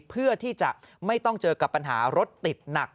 เพื่อที่จะไม่ต้องเจอกับปัญหารถติดหนัก